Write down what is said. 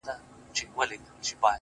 زموږ د كلي څخه ربه ښكلا كډه كړې ـ